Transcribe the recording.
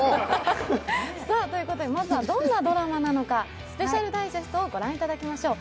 まずは、どんなドラマなのかスペシャルダイジェストをご覧いただきましょう。